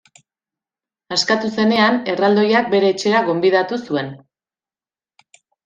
Askatu zenean, erraldoiak bere etxera gonbidatu zuen.